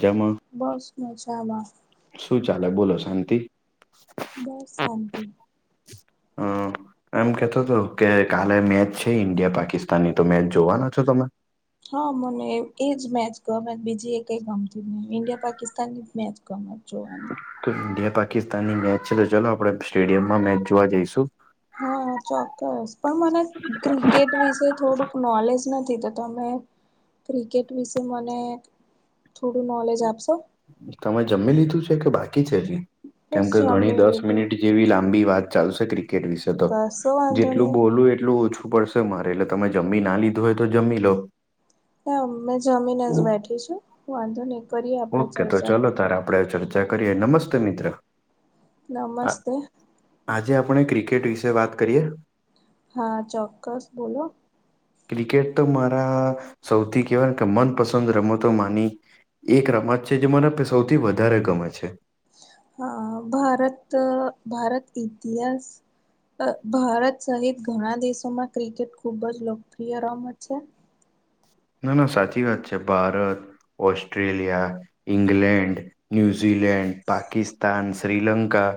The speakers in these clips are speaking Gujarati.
જમાં બસ મજામાં. શું ચાલે બોલો શાંતિ. બસ શાંતિ. અ. એમ કેતો તો કે કાલે મેચ છે ઈન્ડિયા પાકિસ્તાનની તો મેચ જોવાના છો તમે? હ મને એજ મેચ ગમે બીજી એકેઈ ગમતી નહીં ઇન્ડિયા પાકિસ્તાન ની જ મેચ ગમે જોવાની. તો ઇન્ડિયા પાકિસ્તાન ની મેચ છે તો ચાલો આપડે સ્ટેડિયમમાં મેચ જોવા જઈશું. હા, ચોક્કસ પણ મને ક્રિકેટ વિશે થોડુંક નોલેજ નથી તો તમે ક્રિકેટ વિશે મને થોડું નોલેજ આપશો. તમે જમી લીધું છે કે બાકી છે હજી કેમ બસ કે ઘણી જમી દસ લીધું મિનિટ જેવી લાંબી વાત ચાલશે ક્રિકેટ વિશે તો કશો વાંધો જેટલું નહી બોલું એટલું ઓછું પડશે મારે, એટલે તમે જમી ના લીધું હોય તો જમી લો. ના મે જમીને જ બેઠી છું વાંધો ની. ઓકે! તો ચલો તારે આપડે ચર્ચા કરીએ, નમસ્તે મિત્ર. આ- નમસ્તે. આજે આપણે ક્રિકેટ વિશે વાત કરીએ. હા, ચોક્કસ બોલો. ક્રિકેટ તો મારા સૌથી કેહેવાય કે મનપસંદ રમતો માની એક રમત છે જે મને સૌથી વધારે ગમે છે. હ, ભારત- ભારત ઇતિહાસ અ ભારત સહિત ઘણા દેશોમાં ક્રિકેટ ખુબ જ લોકપ્રિય રમત છે. ના-ના સાચી વાત છે Bharat, Australia England, New Zealand, Pakistan, Sri Lanka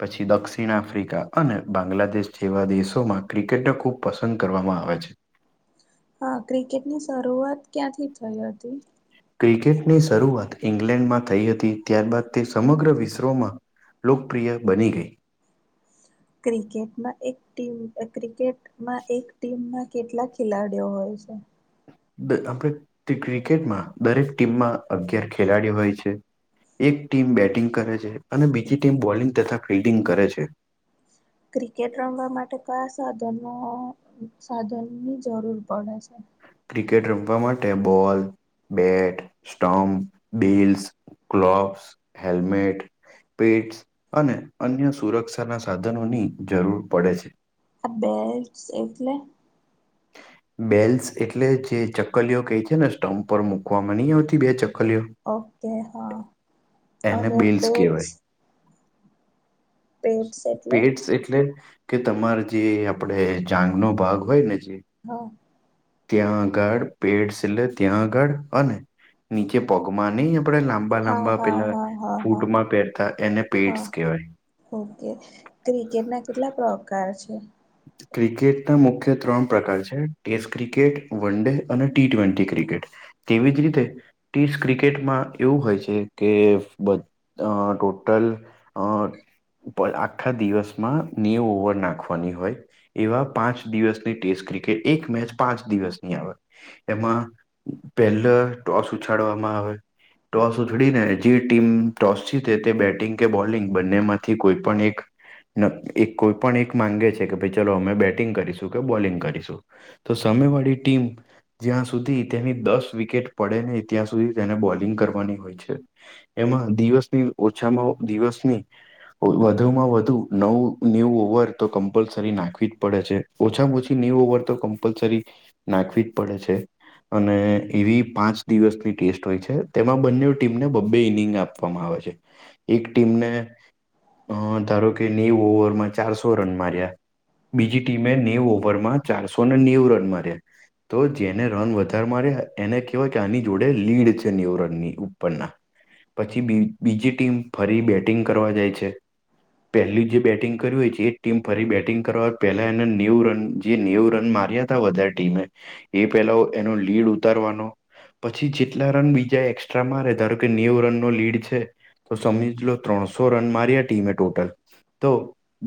પછી દક્ષિણ આફ્રિકા અને બાંગ્લાદેશ જેવા દેશોમાં ક્રિકેટ ખૂબ પસંદ કરવામાં આવે છે. હા, ક્રિકેટ ની શરૂઆત ક્યાંથી થઈ હતી. ક્રિકેટની શરૂઆત ઈંગ્લેન્ડમાં થઈ હતી. ત્યાર બાાદ તે સમગ્ર વિશ્વમાં લોકપ્રિય બની ગઈ. ક્રિકેટ માં એક ટિમ ક્રિકેટમાં એક ટીમમાં કેટલા ખેલાડીઓ હોય છે. [unintelligible] આપણે ક્રિકેટમાં દરેક ટીમમાં અગિયાર ખેલાડીઓ હોય છે. એક ટીમ બેટિંગ કરે છે અને બીજી ટીમ બોલિંગ તથા ફિલ્ડિંગ કરે છે. ક્રિકેટ રમવા માટે ક્યાં સાધનો સાધનની જરૂર પડે છે. ક્રિકેટ રમવા માટે ball, bat, stump, bails gloves, helmet belts અને અન્ય સુરક્ષાના સાધનોની જરૂર પડે છે. આ બેલ્ટસ એટલે? બેલ્સ એટલે જે ચક્કલીઓ કઈ છે ને સ્ટમ્પ પર મૂકવામાં નહી આવતી બે ચક્કલીઓ. ઓકે, હ એને અને પેટસ. એટલે પેટસ એટલે કે તમારે જે આપડે જાંગનો ભાગ હોય ને જે હા ત્યાં આગળ પેડ સેલે ત્યાં આગળ અને નીચે પગમાં ની આપડે લાંબ બા હા લાંબા હા પેલા હા હા હા ફૂટમાં પહેરતા એને હા પેટસ કેવાય. ઓકે ક્રિકેટ ના કેટલા પ્રકાર છે. ક્રિકેટના મુખ્ય ત્રણ પ્રકાર છે ટેસ્ટ ક્રિકેટ વન ડે અને ટી ટ્વેન્ટી ક્રિકેટ. તેવી જ રીતે ટીસ ક્રિકેટમાં એવું હોય છે કે બ ટોટલ [inaudible] પર આખા દિવસમાં નેવું ઓવર નાખવાની હોય. એવા પાંચ દિવસની ટેસ્ટ ક્રિકેટ એક મેચ પાંચ દિવસની આવે. એમાં પેલ ટોસ ઉછાડવામાં આવે. ટોસ ઉછડીને જે ટીમ ટોસ જીતે તે બેટિંગ કે બોલિંગ બંને માંથી કોઈ પણ એક નકકી કોઈ પણ એક માંગે છે કે ભાઈ ચલો અમે બેટિંગ કરીશું કે બોલિંગ કરીશું. તો સામેવાળી ટીમ જ્યાં સુધી તેની દસ વિકેટ પડે નઈ ત્યાં સુધી તેને બોલિંગ કરવાની હોય છે. એમાં દિવસની ઓછામાં દિવસની વધુ માં વધુ નવ નેવું ઓવર તો કમ્પલસરી નાખ ખવીજ પડે છે ઓછામાં ઓછી નેવું ઓવર તો કમ્પલસરી નાખવી જ પડે છે. અને એવી પાંચ દિવસની ટેસ્ટ હોય છે તેમાં બંને ટીમને બબ્બે ઇનિંગ આપવામાં આવે છે. એક ટીમને અ ધારો કે નેવું ઓવર માં ચારસો રન માર્યા બીજી ટીમે નેવું ઓવરમાં ચારસો ને નેવું રન માર્યા તો જેને રન વધારે માર્યા એને કહેવાય કે આની જોડે લીડ છે નેવ રનની ઉપરના પછી બીજી ટીમ ફરી બેટિંગ કરવા જાય છે. પહેલી જે કર્યું છે એ જ ટીમ ફરી બેટિંગ કરવા પેલા એને નેવું રન જે નેવું રન માર્યા તા વધારે ટીમે એ પેલા એનો લીડ ઉતારવાનો પછી જેટલા રન બીજા એક્સ્ટ્રા મારે. ધારો કે નેવું રનનો લીડ છે. તો સમજી લો, ત્રણસો રન માર્યા ટીમે ટોટલ તો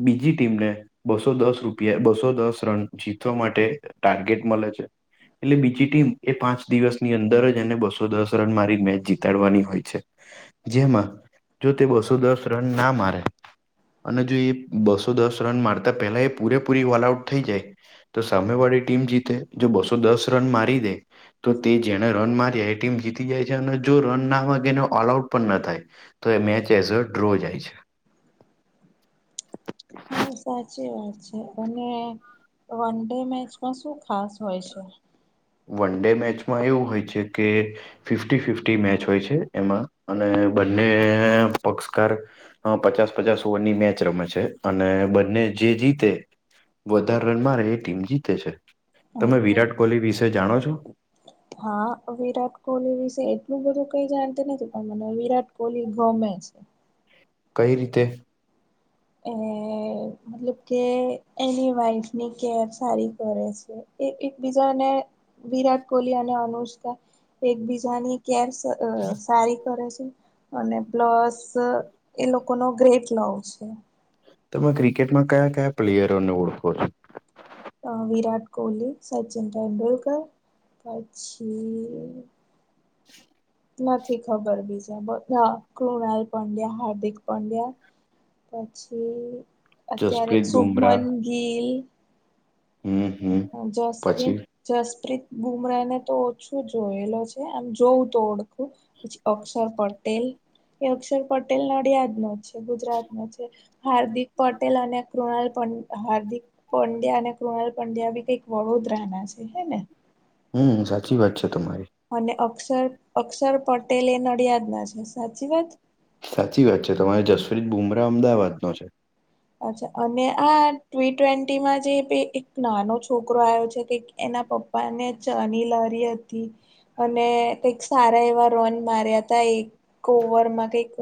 બીજી ટીમને બસો દસ. રૂપિયા બસો દસ રન જીતવા માટે ટાર્ગેટ મળે છે. એટલે બીજી ટીમ એ પાંચ દિવસની અંદર જ એને, બસો દસ રન મારી મેચ જીતાડવાની હોય છે. જેમાં જો તે બસો દસ રન ના મારે અને જો એ બસો દસ રન મારતા પહેલા એ પૂરેપૂરી ઓલ આઉટ થઈ જાય. તો સામે વાળી ટીમ જીતે. જો બસો દસ રન મારી દે. તો તે જેણે રન મારી્યા એ ટીમ જીતી જાય છે અને જો રન ના વાગે એને ઓલ આઉટ પણ ના થાય. તો એ મેચ એઝ ડ્રો જાય છે. હ. સાચી વાત છે. અને વન ડે મેચમાં શું ખાસ હોય છે? વન ડે મેચમાં એવું હોય છે કે ફિફ્ટી ફિફી મેચ હોય છે. એમાં અને બંને પક્ષકાર પચાસ પચાસ ઓવરની મેચ રમે છે અને બંને જે જીતે વધાર રન મારે ટીમ જીતે છે. તમે ઓકે વિરાટ કોહલી વિશે જાણો છો? હા, વિરાટ કોહલી વિશે એટલું બધું કઈ જાણતી નથી, પણ મને વિરાટ કોહલી ગમે છે. કઈ રીતે? એ મતલબ કે એની વાઈફની કેર સારી કરે છે. એકબીજાને વિરાટ કોહલી અને અનુષ્કા એક બીજાની કેર સારી કરે છે. અને પ્લસ, એ લોકો નો ગ્રેટ લવ છે તમે ક્રિકેટમાં કયા કયા પ્લેયરોને ઓળખો છો? વિરાટ કોહલી, સચિન તેડુલકર પછી નથી ખબર બીજા પણ હ કૃણાલ પંડ્યા, હાર્દિક પંડ્યા. પછી અત્યારે જસપ્રીત બુમરાહ સુભમન ગિલ હમ હમ પછી જસપ્રીત, જસપ્રીત બુમરાહ ને તો ઓછું જોયેલો છે. એટલે એમ જોઉ તો ઓળખું પછી અક્ષર પટેલ. એ અક્ષર પટેલ નડિયાદનો છે, ગુજરાતનો છે હાર્દિક. પટેલ અને કૃણાલ, હાર્દિક પંડ્યા અને કૃણાલ પંડ્યા બી કંઈક વડોદરાના છે, હે ને. હમ સાચી વાત છે તમારી. અને અક્ષર, અક્ષર પટેલએ નડિયાદમાં છે, સાચી વાત? સાચી વાત છે. તમારે જશપ્રીત બુમરાહ અમદાવાદનો છે. અચ્છા. અને આ ટી ટ્વેન્ટીમાં જે એક નાનો છોકરો આવ્યો છે કે, એના પપ્પ પપ્પાને ચાની લારી હતી. અને કંઈક સારા એવા રન માર્યા હતા એ એકે ઓવરમાં કઈક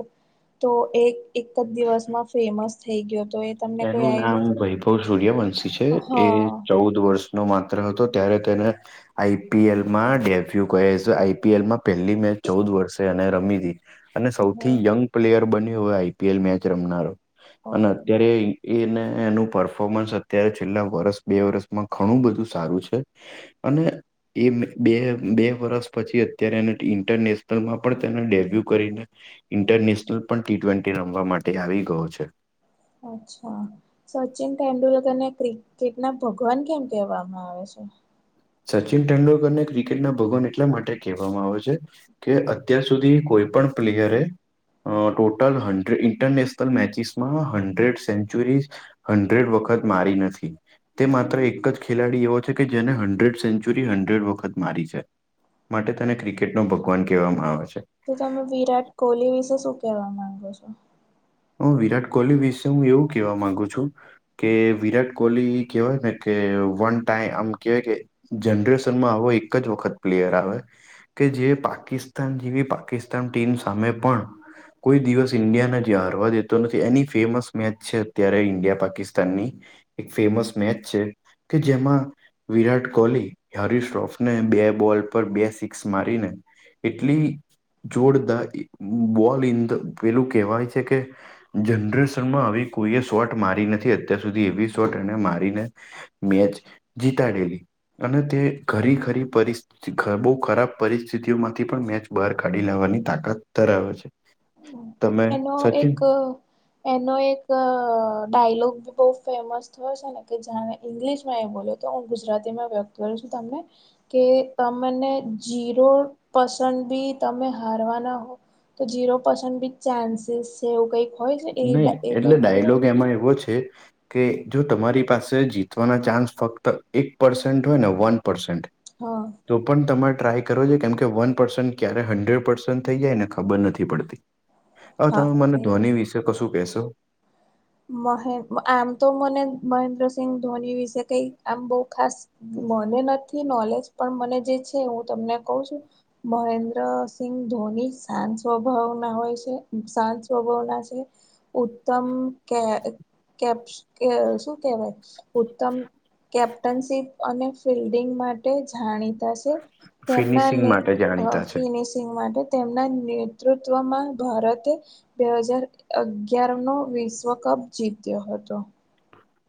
એક એક જ દિવસમાં ફેમસ થઈ ગયો હતો એ તમને કોઈ એનું આઈડિયા નામ છે વૈભવ સૂર્યવંશી છે, એ હા ચૌદ વર્ષ નો માત્ર હતો ત્યારે તેને આઈપીએલમાં ડેવ્યુ કહે છે, આઈપીએલમાં પહેલી મેચ ચૌદ વર્ષે અને રમી હતી. અને હા સૌથી યંગ પ્લેયર બન્યો હવે આઈપીએલ મેચ રમનારો અને ઓકે અત્યારે એને એનું પરફોર્મન્સ અત્યારે છેલ્લા વર્ષ, બે વર્ષ માં ઘણું બધું સારું છે અને એ બે બે વષૅ પછી અત્યારે, એ ઇન્ટરનેશનલમાં પણ તેને ડેબ્યુ કરીને, ઇન્ટરનેશનલ પણ ટી ટ્વેન્ટી રમવા માટે આવી ગયો છે. અચ્છા સચિન તેંડુલકર ને ક્રી કેટ ના ભગવાન કેમ કહેવામાં આવે છે? સચિન તેંડુલકરને ક્રિકેટના ભગવાન એટલા માટે કહેવામાં આવે છે કે અત્યાર સુધી કોઈ પણ પ્લેયરે અ ટોટલ હંડ ઇન્ટરનેશનલ મેચિસ માં હંડ્રેડ સેન્ચુરીઝ હંડ્રેડ વખત મારી નથી તે માત્ર એક જ ખેલાડી એવો છે કે જેને હંડ્રેડ સેન્ચુરી હંડ્રેડ વખત મારી છે માટે તેને ક્રિકેટ નો ભગવાન કહેવામાં આવે છે. તો તમે વિરાટ કોહલી વિશે શું કેવા માંગો છો? હું વિરાટ કોહલી વિશે હું એવું કેવા માંગુ છું કે વિરાટ કોહલી કેવાય ને કે વન ટાઈમ આમ કેવાય કે જનરેશનમાં આવો એક જ વખત પ્લેયર આવે કે જે પાકિસ્તાન જેવી પાકિસ્તાન ટીમ સામે પણ કોઈ દિવસ ઇન્ડિયાને હારવા દેતો નથી એની ફેમસ મેચ છે અત્યારે ઈન્ડિયા પાકિસ્તાન ની એક ફેમસ મેચ છે કે જેમાં વિરાટ કોહલી હારીશ શ્રોફને બે બોલ પર બે સિક્સ મારીને એટલી જોરદાર બોલ ઇન ધ પેલું કેહેવાય છે કે જનરેશનમાં આવી કોઈએ શોટ મારી નથી અત્યાર સુધી એવી શોટ એને મારીને મેચ જીતાડેલી અને તે ઘરી ખરી પરસ્ બહુ ખરાબ પરિસ્થિતિઓ માંથી પણ મેચ બહાર કાઢી લેવાની તાકાત ધરાવે છે. તમે એનો સચિન એક એનો એક ડાયલોગ બહુ ફેમસ થયો છે ને કે જાને ઇંગ્લિશમાં એ બોલ્યો તો હું ગુજરાતીમાં વ્યક્ત કરું છું તમને કે તમને જીરો પસન્ટ બી તમે હારવાના હો તો ઝીરો પસન્ટ બી ચાન્સેસ છે એવું કઈ ની એટલે ડાયલોગ એમાં એવો છે કે જો તમારી પાસે જીતવાના ચાન્સ ફક્ત એક પર્સેન્ટ હોય ને વન પરસેન્ટ હા તો પણ તમે ટ્રાય છેકેમ કે વન પર્સન્ટ હંડ્રેડ પર્સન્ટ થઈ જાય એને ખબર નથી પડતી. હા તમે મને એ ધોની વિશે કશું કેહેશો? મહે આમ તો મને મહેન્દ્રસિંહ ધોની વિશે કઈ આમ બો ખાસ મને નથી નોલેજ પણ મને જે છે હું તમને કવ છું મહેન્દ્ર ધોની શાંત સ્વભાવ ના હોય છે શાંત સ્વભાવના છે. ઉત્તમ કે કેપ શું કેહેવાય ઉત્તમ કેપ્ટનશીપ અને ફિલ્ડિંગ માટે જાણી તા છે. તેમના ફિનિશિંગ માટે અ જાણીતા છે ફિનિશ્યુ સિંંગ માટે તેમના નેતૃત્વમાં ભારતે બે હજાર અગયાર નો વિશ્વ કપ જીત્યો હતો.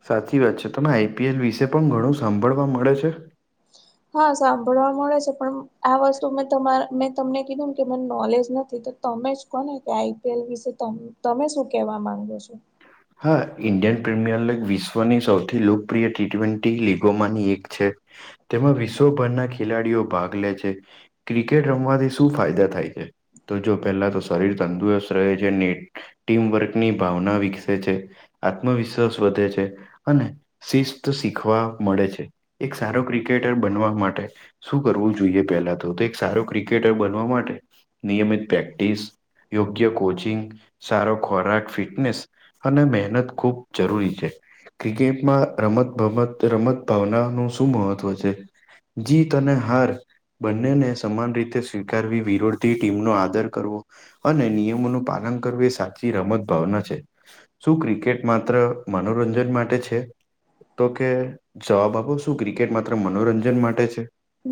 સાચી વાત છે તમે આઈપીએલ વિશે પણ ઘણું સાંભળવા મળે છે હા સાંભળવા મળે છે પણ આ વસ્તુ મેં તમા મેં તમને કીધું ને કે મને નોલેજ નથી તમે જ કોને કે આઈપીએલ વિશે તમે શું કેવા માંગો છો? હા ઇન્ડિયન પ્રીમિયર લીગ વિશ્વની સૌથી લોકપ્રિય ટી ટ્વેન્ટી લીગોમાંની એક છે તેમાં વિશ્વભરના ખેલાડીઓ ભાગ લે છે. ક્રિકેટ રમવાથી શું ફાયદા થાય છે? તો જો પહેલા શરીર તંદુરસ્ત રહે છે ને ટીમવર્કની ભાવના વિકસે છે આત્મવિશ્વાસ વધે છે અને શિસ્ત શીખવા મળે છે. એક સારો ક્રિકેટર બનવા માટે શું કરવું જોઈએ? પેલા તો તો એક સારો ક્રિકેટર બનવા માટે નિયમિત પ્રેક્ટિસ, યોગ્ય કોચિંગ, સારો ખોરાક, ફિટનેસ અને મહેનત ખુબ જરૂરી છે. ક્રિકેટમાં રમત ગમત રમત ભાવના નું શું મહત્વ છે? જીત અને હાર, બંનેને સમાન રીતે સ્વીકારવી, વિરોધી ટીમનો આદર કરવો. અને નિયમોનું પાલન કરવું એ સાચી રમત ભાવના છે, શું ક્રિકેટ માત્ર મનોરંજન માટે છે. તો કે જવાબ આપો, શું ક્રિકેટ માત્ર મનોરંજન માટે છે.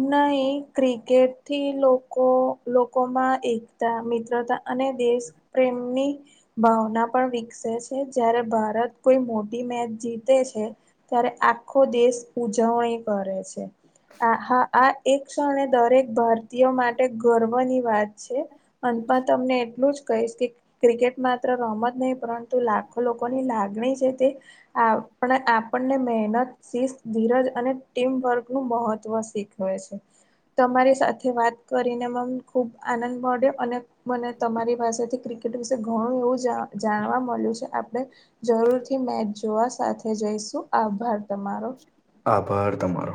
નહી ક્રિકેટ થીલોકો, લોકોમાં એકતા, મિત્રતા, અને દેશ પ્રેમની ભાવના પણ વિકસે છે, જ્યારે ભારત કોઈ મોટી મેચ જીતે છે. ત્યારે આખો દેશ ઉજવણી કરે છે. આ હા આ એક ક્ષણ દરેક ભારતીયો માટે ગર્વની વાત છે. અંતમાં તમને એટલું જ કહીશ કે ક્રિકેટ માત્ર રમત નહીં પરંતુ લાખો લોકોની લાગણી છે તે આપણને મહેનત, શિસ્ત, ધીરજ, ટીમવર્કનું મહ -ત્વ શીખવે છે, તમારી સાથે વાત કરીને મને ખૂબ આનંદ મળ્યો અને મને તમારી પાસેથી ક્રિકેટ વિશે ઘણું એવું જા જાણવા મળે છે આપડે જરૂરથી મેચ જોવા સાથે જઈશું. આભાર તમારો, આભાર તમારો,